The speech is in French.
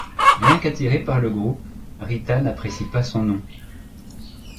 Bien qu'attirée par le groupe, Rita n'apprécie pas son nom.